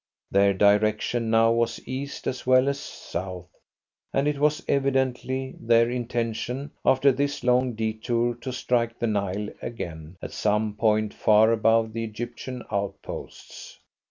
Their direction now was east as well as south, and it was evidently their intention after this long detour to strike the Nile again at some point far above the Egyptian outposts.